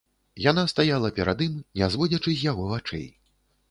Яна стаяла перад ім, не зводзячы з яго вачэй.